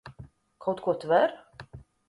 Kaut ko tver?